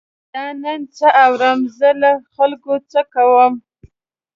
دا نن څه اورم، زه له خلکو څه کوم.